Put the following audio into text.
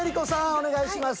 お願いします。